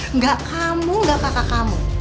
enggak kamu enggak kakak kamu